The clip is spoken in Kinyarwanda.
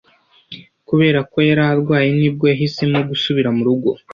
Kubera ko yari arwaye ni bwo yahisemo gusubira mu rugo.